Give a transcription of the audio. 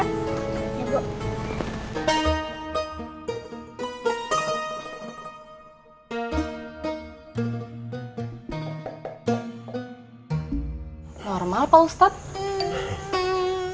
normal pak ustadz